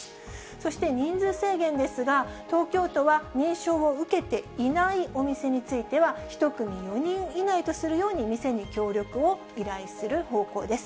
そして人数制限ですが、東京都は認証を受けていないお店については、１組４人以内とするように、店に協力を依頼する方向です。